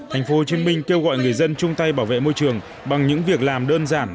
thành phố hồ chí minh kêu gọi người dân chung tay bảo vệ môi trường bằng những việc làm đơn giản